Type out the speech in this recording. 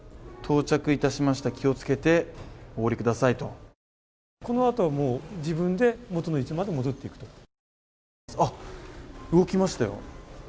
到着いたしました気をつけてお降りくださいとこのあとはもう自分で元の位置まで戻っていくと動きましたよ。